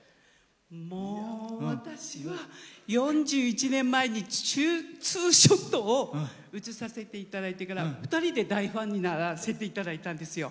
もう私は４１年前にツーショットを写させていただいてから２人で大ファンにならせていただいたんですよ。